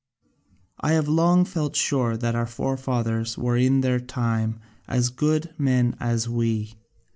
I have long felt sure that our forefathers were in their time as good men as we.